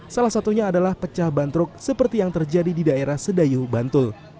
salah satunya adalah pecah bantruk seperti yang terjadi di daerah sedayu bantul